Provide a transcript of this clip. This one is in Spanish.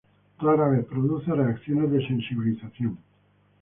Rara vez produce reacciones de sensibilización.